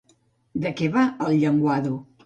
De què va El llenguado?